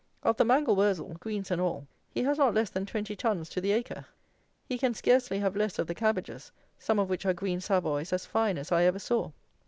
Of the mangel wurzel (greens and all) he has not less than twenty tons to the acre. He can scarcely have less of the cabbages, some of which are green savoys as fine as I ever saw.